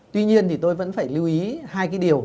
tuy nhiên thì tôi vẫn phải lưu ý hai cái điều